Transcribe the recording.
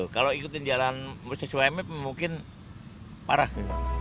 kalau ikutin jalan sesuai mep mungkin parah